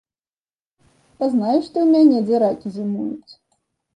Пазнаеш ты ў мяне, дзе ракі зімуюць!